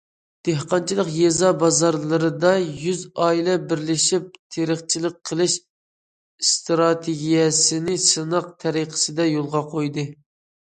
دېھقانچىلىق يېزا- بازارلىرىدا‹‹ يۈز ئائىلە بىرلىشىپ تېرىقچىلىق قىلىش›› ئىستراتېگىيەسىنى سىناق تەرىقىسىدە يولغا قويدى.